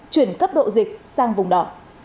chuyển cấp độ dịch sang vùng đỏ